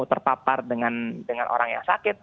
terpapar dengan orang yang sakit